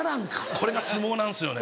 これが相撲なんですよね。